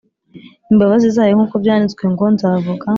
imbabazi zayo nk uko byanditswe ngo Nzavuga